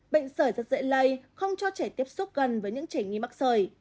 bệnh sời rất dễ lây không cho trẻ tiếp xúc gần với những trẻ nghi mắc sời